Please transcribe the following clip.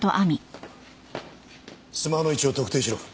スマホの位置を特定しろ。